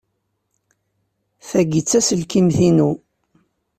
Tagi d taselkimt-inu.